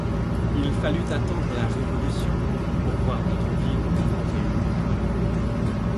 Il fallut attendre la Révolution pour voir notre ville de nouveau réunie.